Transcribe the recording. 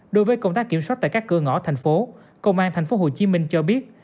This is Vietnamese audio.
đối với công tác kiểm soát tại các cửa ngõ thành phố công an tp hcm cho biết